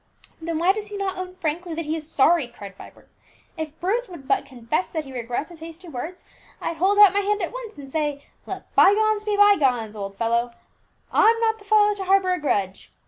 "Then why does he not own frankly that he is sorry?" cried Vibert. "If Bruce would but confess that he regrets his hasty words, I'd hold out my hand at once and say, 'Let by gones be by gones, old boy; I'm not the fellow to harbour a grudge.'